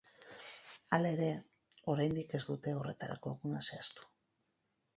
Hala ere, oraindik ez dute horretarako eguna zehaztu.